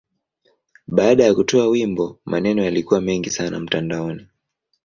Baada ya kutoa wimbo, maneno yalikuwa mengi sana mtandaoni.